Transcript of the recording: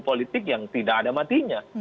politik yang tidak ada matinya